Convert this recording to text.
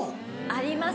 ありますね。